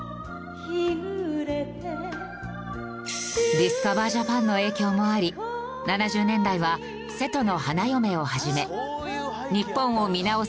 ディスカバー・ジャパンの影響もあり７０年代は『瀬戸の花嫁』を始め日本を見直す